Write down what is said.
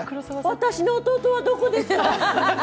私の弟はどこですか！